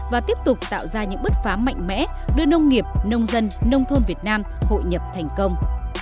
và tiếp tục tạo ra những bước phá mạnh mẽ đưa nông nghiệp nông dân nông thôn việt nam hội nhập thành công